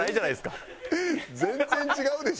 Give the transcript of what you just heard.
全然違うでしょ。